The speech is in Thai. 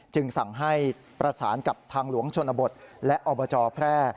สั่งให้ประสานกับทางหลวงชนบทและอบจแพร่